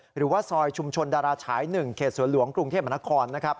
หรือว่าซอยชุมชนดาราฉาย๑เขตสวนหลวงกรุงเทพมนครนะครับ